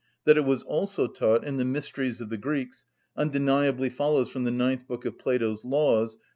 That it was also taught in the mysteries of the Greeks undeniably follows from the ninth book of Plato's "Laws" (pp.